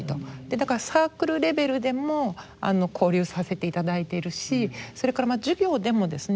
だからサークルレベルでも交流させていただいているしそれから授業でもですね